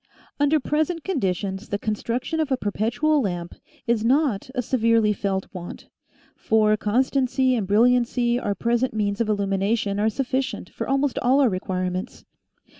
Under present conditions the construction of a perpetual lamp is not a severely felt want ; for constancy and bril liancy our present means of illumination are sufficient for almost all our requirements.